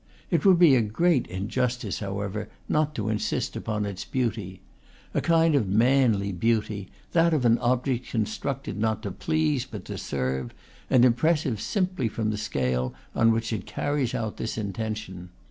It would be a great injustice, however, not to insist upon its beauty, a kind of manly beauty, that of an object constructed not to please but to serve, and impressive simply from the scale on which it carries out this intention.